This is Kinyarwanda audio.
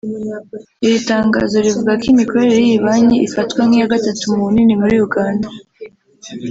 Iri tangazo rivuga ko imikorere y’iyi banki ifatwa nk’iya gatatu mu bunini muri Uganda